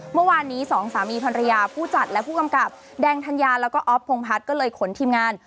เมื่อวานนี้สองสามีภรรยาผู้จัดและผู้กำกับแดงธัญญาแล้วก็ออฟพงพัฒน์ก็เลยขนทีมงาน